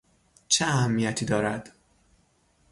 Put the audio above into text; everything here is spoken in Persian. چه اهمیتی دارد؟